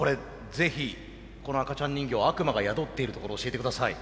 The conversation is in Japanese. ぜひこの赤ちゃん人形悪魔が宿っているところ教えて下さい。